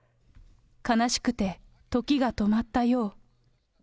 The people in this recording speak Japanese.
悲しくて時が止まったよう。